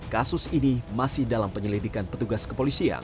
kasus ini masih dalam penyelidikan petugas kepolisian